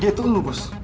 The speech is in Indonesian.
dia itu lu bos